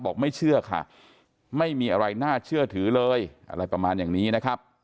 ไม่เชื่อค่ะไม่มีอะไรน่าเชื่อถือเลยอะไรประมาณอย่างนี้นะครับ